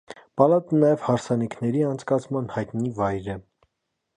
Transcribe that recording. Պալատը նաև հարսանիքների անցկացման հայտնի վայր է։